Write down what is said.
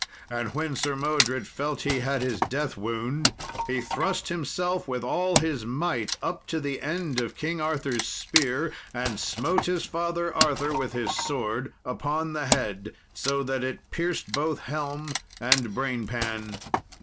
And when Sir Modred felt he had his death wound, he thrust himself with all his might up to the end of King Arthur's spear, and smote his father, Arthur, with his sword upon the head, so that it pierced both helm and brain pan.